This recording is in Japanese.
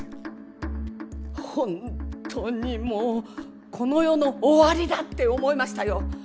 本当にもうこの世の終わりだって思いましたよ。